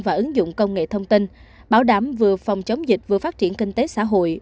và ứng dụng công nghệ thông tin bảo đảm vừa phòng chống dịch vừa phát triển kinh tế xã hội